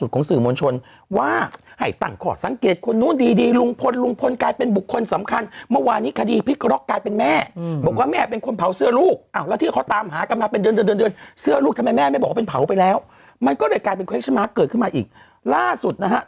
สื่อมวลชนว่าให้ตั้งข้อสังเกตคนนู้นดีดีลุงพลลุงพลกลายเป็นบุคคลสำคัญเมื่อวานนี้คดีพลิกล็อกกลายเป็นแม่บอกว่าแม่เป็นคนเผาเสื้อลูกแล้วที่เขาตามหากันมาเป็นเดือนเดือนเสื้อลูกทำไมแม่ไม่บอกว่าเป็นเผาไปแล้วมันก็เลยกลายเป็นคริสมาร์คเกิดขึ้นมาอีกล่าสุดนะฮะ